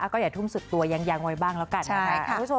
ก็อย่าทุ่มสุดตัวยังไว้บ้างแล้วกันนะคะ